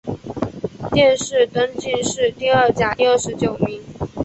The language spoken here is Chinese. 殿试登进士第二甲第二十九名。